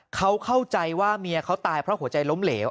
เขาเข้าใจว่าเมียเขาตายเพราะหัวใจล้มเหลว